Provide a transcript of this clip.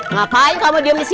ngapain kamu diam di sini aja